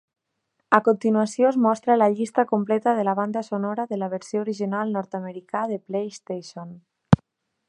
A continuació es mostra la llista completa de la banda sonora de la versió original nord-americà de PlayStation.